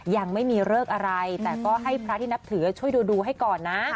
ยังไม่มีเลิกอะไรแต่ก็ให้พระที่นับถือช่วยดูให้ก่อนนะ